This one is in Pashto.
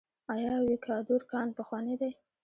آیا د ویکادور کان پخوانی دی؟